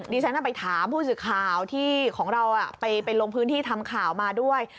ฉันไปถามผู้สื่อข่าวที่ของเราไปลงพื้นที่ทำข่าวมาด้วย